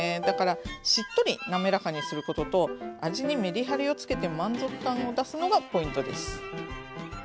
だからしっとりなめらかにすることと味にメリハリをつけて満足感を出すのがポイントです。